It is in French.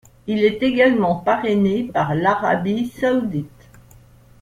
Il est également parrainé par l'Arabie saoudite.